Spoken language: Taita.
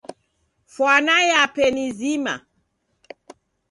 Fwana yape ni zima.